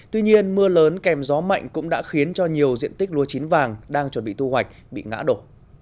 tuy nhiên mưa lớn kèm gió mạnh cũng đã khiến cho nhiều diện tích lúa chín vàng đang chuẩn bị thu hoạch bị ngã đổ